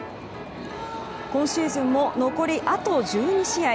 今シーズンも残りあと１２試合。